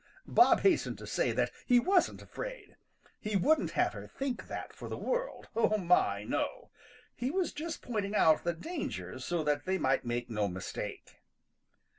Bob hastened to say that he wasn't afraid. He wouldn't have her think that for the world. Oh, my, no! He was just pointing out the dangers so that they might make no mistake.